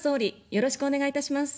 よろしくお願いします。